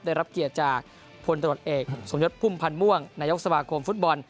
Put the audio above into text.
ได้รับเกียรติจากพลตรวจเอกสมยศพุ่มพันธ์ม่วงนายกสมาคมฟุตบอล